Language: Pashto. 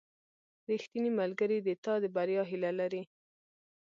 • ریښتینی ملګری د تا د بریا هیله لري.